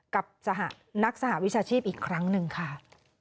กับนักสหวิชาชีพอีกครั้งหนึ่งค่ะ